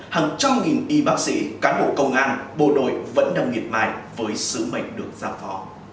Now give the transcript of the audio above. hàng trăm nghìn y bác sĩ cán bộ công an bộ đội vẫn đang nghiệt mại với sứ mệnh được giam phó